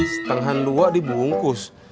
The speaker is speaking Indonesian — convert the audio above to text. setengahan dua dibungkus